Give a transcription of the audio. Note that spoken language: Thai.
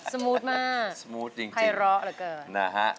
สมูทมากใครร้าเหลือเกิน